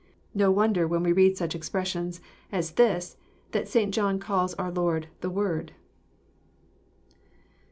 No wonder when we read such expres sions as this that St. John calls our Lord the Word."